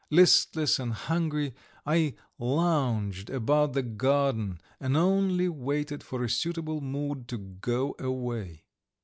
Listless and hungry, I lounged about the garden and only waited for a suitable mood to go away.